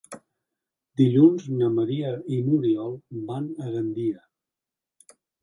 Dilluns na Maria i n'Oriol van a Gandia.